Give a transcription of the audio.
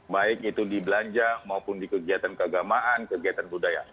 baik itu di belanja maupun di kegiatan keagamaan kegiatan budaya